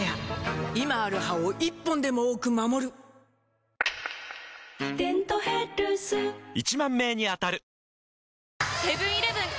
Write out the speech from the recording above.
今ある歯を１本でも多く守る「デントヘルス」１０，０００名に当たる！